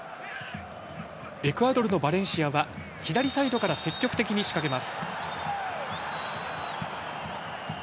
エクアドルのバレンシアは左サイドから積極的に仕掛けます。